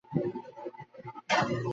দুঃখিত, আর কোন উপায় নেই হাতে।